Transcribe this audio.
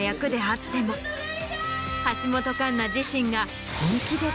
橋本環奈自身が。